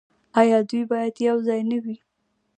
آیا دوی باید یوځای نه وي؟